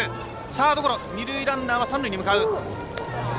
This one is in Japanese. サードゴロ二塁ランナーは三塁に向かう。